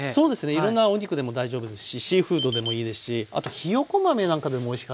いろんなお肉でも大丈夫ですしシーフードでもいいですしあとひよこ豆なんかでもおいしかったですよ。